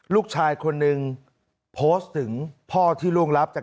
ลูกชายคนนึงโพสต์ถึงพ่อที่ล่วงรับจาก